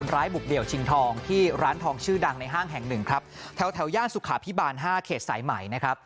บุกเดี่ยวชิงทองที่ร้านทองชื่อดังในห้างแห่งหนึ่งครับแถวย่านสุขาพิบาล๕เขตสายใหม่นะครับ